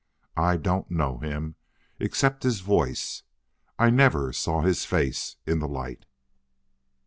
I don't know him except his voice. I never saw his face in the light!"